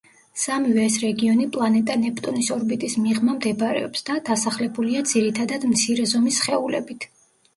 სამივე ეს რეგიონი პლანეტა ნეპტუნის ორბიტის მიღმა მდებარეობს, და „დასახლებულია“ ძირითადად მცირე ზომის სხეულებით.